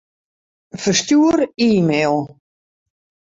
Ferstjoer e-mail.